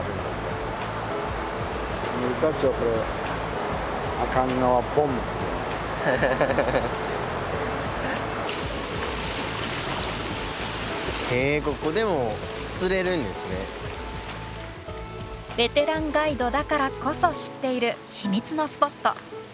ベテランガイドだからこそ知っている秘密のスポット。